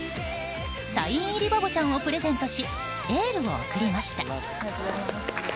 サイン入りバボちゃんをプレゼントしエールを送りました。